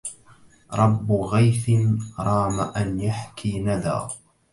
رب غيث رام أن يحكي ندى